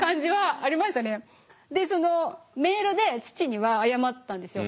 でメールで父には謝ったんですよ。